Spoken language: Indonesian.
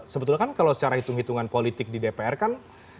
sebetulnya kan kalau secara hitung hitungan politik di dpr kan